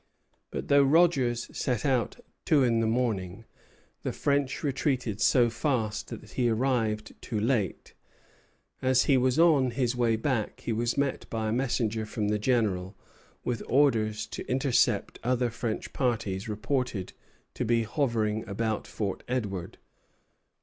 But though Rogers set out at two in the morning, the French retreated so fast that he arrived too late. As he was on his way back, he was met by a messenger from the General with orders to intercept other French parties reported to be hovering about Fort Edward.